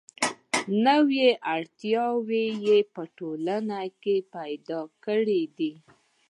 نوې اړتیاوې یې په ټولنه کې را پیدا کړې دي.